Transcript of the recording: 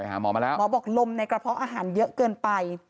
หาหมอมาแล้วหมอบอกลมในกระเพาะอาหารเยอะเกินไป